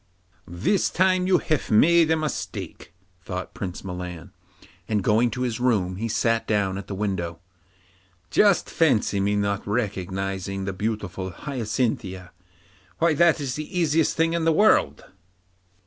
'This time you've made a mistake,' thought Prince Milan, and going to his room he sat down at the window. Just fancy my not recognising the beautiful Hyacinthia! Why, that is the easiest thing in the world.